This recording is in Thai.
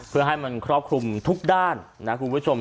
เพื่อให้มันครอบคลุมทุกด้านนะคุณผู้ชม